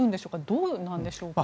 どうなんでしょうか？